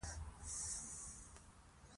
دوی به یې مړی ښخ کړی وو.